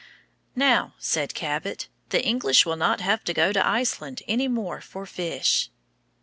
"Now," said Cabot, "the English will not have to go to Iceland any more for fish."